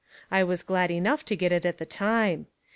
I was glad enough to get it at the time.